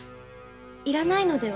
いらないのでは？